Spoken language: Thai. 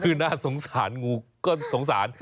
คือน่าสงสารงูก็สงสาร